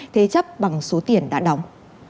thế chấp bằng số tiền đã đóng